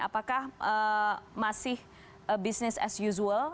apakah masih business as usual